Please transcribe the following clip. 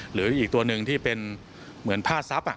หรืออีกตัวนึงที่เป็นเหมือนผ้าซับ